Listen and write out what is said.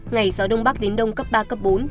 ngày gió đông bắc đến đông cấp ba cấp bốn